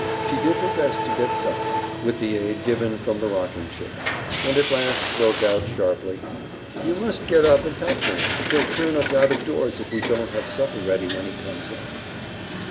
She did her best to get supper, with the aid given from the rocking chair, and at last broke out sharply, "You must get up and help me. He'll turn us out of doors if we don't have supper ready when he comes in."